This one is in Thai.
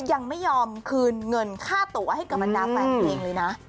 ยังไม่ยอมคืนเงินค่าตัวให้กับบรรดาแฟนเพลงเลยนะ